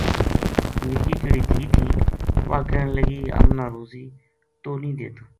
نِکی کہڑی دھی تھی واہ کہن لگی ہم نا روزی توہ نیہہ دیتو